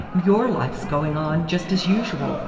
YOUR life's going on just as usual!